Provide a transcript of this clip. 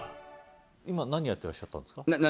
今何やってらっしゃったんですか？